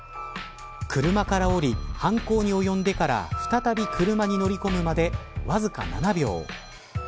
車から降り、犯行に及んでから再び車に乗り込むまでわずか７秒。